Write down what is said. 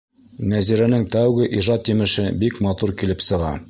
Нәзирәнең тәүге ижад емеше бик матур килеп сыға.